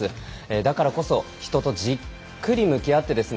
だからこそ人とじっくり向き合ってですね